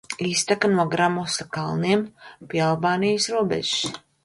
Izteka no Gramosa kalniem pie Albānijas robežas.